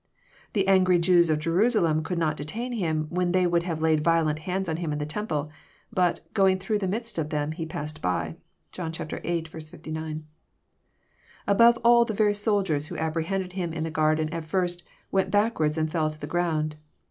The angry Jews of Jerusalem could not detain him when they would have laid violent hands on Him in the Temple ; but, ^^ going through the midst of them. He passed by." (John viii. 59.) Above all, the very soldiers who apprehended Him in the garden, at first " went backward and fell to the ground."